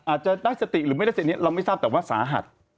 อาจจะได้สติหรือไม่ได้สตินี้เราไม่ทราบแต่ว่าสาหัส